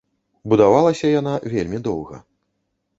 Будавалася яна вельмі доўга.